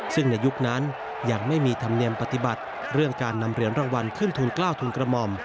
ซึ่งในยุคนั้นยังไม่มีธรรมเนียมปฏิบัติเรื่องการนำเหรียญรางวัลขึ้นทุนกล้าวทุนกระหม่อม